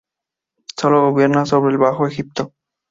Solo gobierna sobre el Bajo Egipto.